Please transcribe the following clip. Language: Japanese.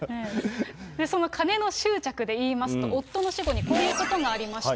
その金の執着でいいますと、夫の死後にこういうことがありました。